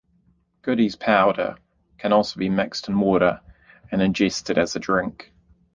Goody's Powder can also be mixed in water and ingested as a drink.